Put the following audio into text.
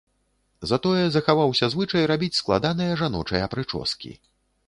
Затое захаваўся звычай рабіць складаныя жаночыя прычоскі.